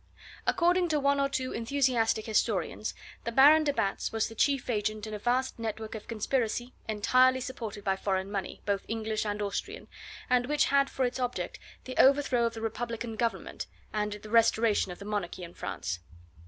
According to one or two enthusiastic historians, the Baron de Batz was the chief agent in a vast network of conspiracy, entirely supported by foreign money both English and Austrian and which had for its object the overthrow of the Republican Government and the restoration of the monarchy in France.